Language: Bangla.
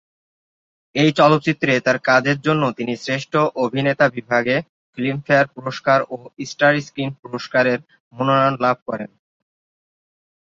এই চলচ্চিত্রে তার কাজের জন্য তিনি শ্রেষ্ঠ অভিনেতা বিভাগে ফিল্মফেয়ার পুরস্কার ও স্টার স্ক্রিন পুরস্কারের মনোনয়ন লাভ করেন।